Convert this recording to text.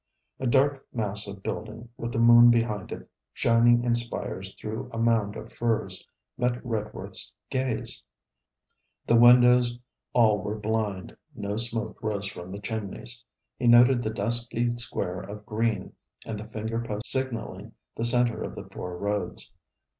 A dark mass of building, with the moon behind it, shining in spires through a mound of firs, met Redworth's gaze. The windows all were blind, no smoke rose from the chimneys. He noted the dusky square of green, and the finger post signalling the centre of the four roads.